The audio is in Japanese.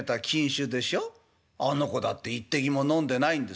あの子だって１滴も飲んでないんですよ。